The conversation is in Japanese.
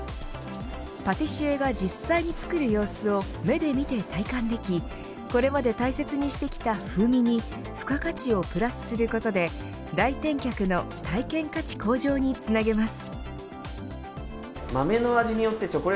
パティシエが実際に作る様子を目で見て体感できこれまで大切にしてきた風味に付加価値をプラスすることで来店客の体験価値向上につなげます。